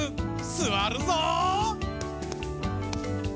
すわるぞう！